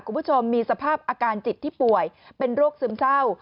คุณผู้ชมมีสภาพอาการจิตที่ป่วยเป็นโรคซึมเศร้า